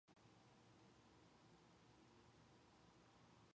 The fire spread to adjacent buildings on Great Brunswick Street and North King Street.